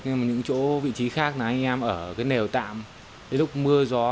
nhưng những chỗ vị trí khác anh em ở nền tạm lúc mưa gió